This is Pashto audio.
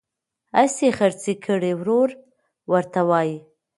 حصي خرڅي کړي ورور ورته وایي